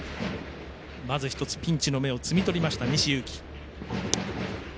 まず１つ、ピンチの芽を摘み取りました、西勇輝。